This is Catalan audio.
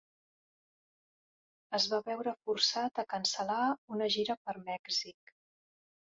Es va veure forçat a cancel·lar una gira per Mèxic.